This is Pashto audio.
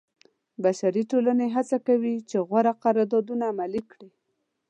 بشري ټولنې هڅه کوي چې غوره قراردادونه عملي کړي.